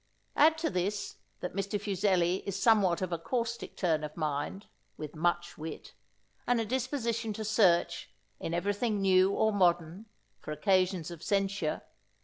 Add to this, that Mr. Fuseli is somewhat of a caustic turn of mind, with much wit, and a disposition to search, in every thing new or modern, for occasions of censure.